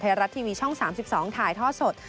ไทยรัฐทีวีช่อง๓๒ถ่ายทอดสด